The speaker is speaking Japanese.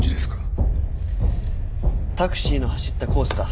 タクシーの走ったコースだ。